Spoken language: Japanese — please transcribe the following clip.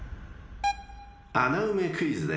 ［穴埋めクイズです］